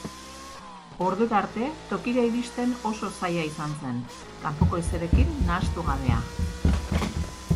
Ordura arte tokira iristen oso zaila izan zen, kanpoko ezerekin nahastu gabea.